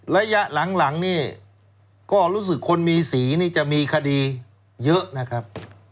ระยะหลังนี่ก็รู้สึกคนมีสีนี่จะมีคดีเยอะนะครับ